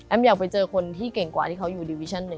แอมอยากไปเจอคนที่เก่งกว่าที่เขาอยู่ดิวิชั่น๑